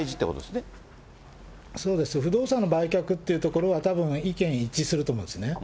不動産の売却っていうところは、たぶん意見一致すると思うんですね。